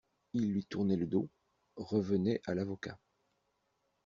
Ils lui tournaient le dos, revenaient à l'avocat.